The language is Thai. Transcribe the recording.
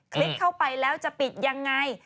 ลิกเข้าไปแล้วจะปิดยังไง